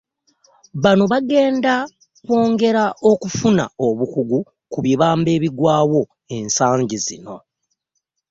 Bano bagenda kwongera okufuna obukugu ku bibamba ebigwawo ensangi zino.